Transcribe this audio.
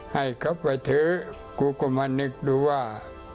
ให้เขาไปเถอะกูก็มานึกดูว่า